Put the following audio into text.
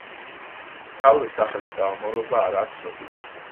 მთავრის სახელის წარმომავლობა არაა ცნობილი.